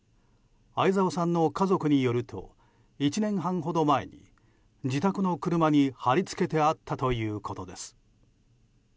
相沢さんの家族によると１年半ほど前に自宅の車に貼り付けてあったということです。